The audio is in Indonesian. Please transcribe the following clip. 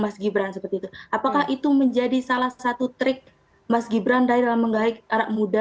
mas gibran seperti itu apakah itu menjadi salah satu trik mas gibran dari dalam menggait anak muda